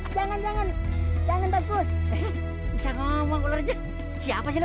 jangan jangan jangan bagus bisa ngomong siapa sih lo